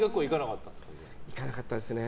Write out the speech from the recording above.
行かなかったですね。